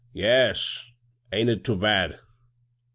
" Yes ; am't it too bad